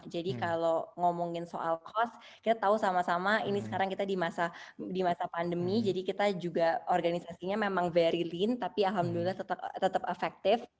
jadi kalau ngomongin soal kos kita tahu sama sama ini sekarang kita di masa pandemi jadi kita juga organisasinya memang very lean tapi alhamdulillah tetap effective